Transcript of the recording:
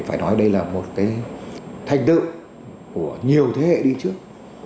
phải nói đây là một cái thành tựu của nhiều thế hệ đi trước